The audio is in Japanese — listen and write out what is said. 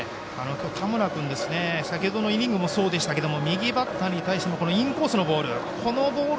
田村君先ほどのイニングもそうでしたけれども右バッターに対してのインコースのボール